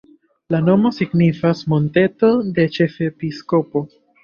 La nomo signifas monteto-de-ĉefepiskopo.